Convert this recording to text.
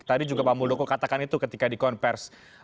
tadi juga pak muldoko katakan itu ketika dikonvers